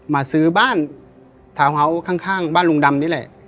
มาซื้อบ้านทาวน์เฮาส์ข้างบ้านลุงดำนี่แหละ